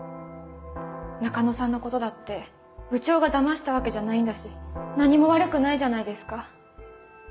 中野さんのことだって部長がだましたわけじゃないんだし何も悪くないじゃないですか。